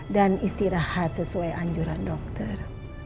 dan istirahat sesuai anjuran dokter